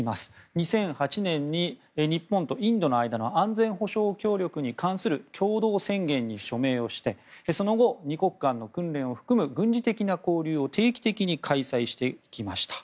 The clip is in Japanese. ２００８年に日本とインドの間の安全保障協力に関する共同宣言に署名をしてその後、２国間の訓練を含む軍事的な交流を定期的に開催してきました。